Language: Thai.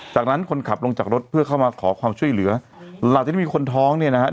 จากนั้นคนขับลงจากรถเพื่อเข้ามาขอความช่วยเหลือหลังจากที่มีคนท้องเนี่ยนะฮะ